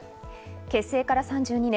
結成から３２年。